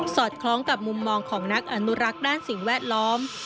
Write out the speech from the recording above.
อดคล้องกับมุมมองของนักอนุรักษ์ด้านสิ่งแวดล้อม